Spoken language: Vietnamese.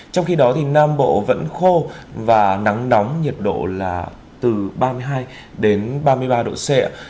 trong khi đó thì nam bộ vẫn khô và nắng nóng nhiệt độ là từ ba mươi hai đến ba mươi ba độ c